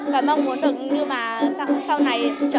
và mong muốn được như bà sau này trở thành nghệ nhân như bà